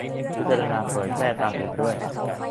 - พิจารณาเผยแพร่ทางอื่นด้วย